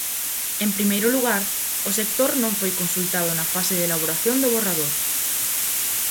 En primeiro lugar, o sector non foi consultado na fase da elaboración do borrador.